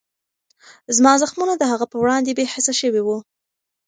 زما زخمونه د هغې په وړاندې بېحسه شوي وو.